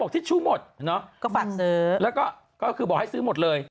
ทิชชู้หมดเนอะก็ฝากซื้อแล้วก็คือบอกให้ซื้อหมดเลย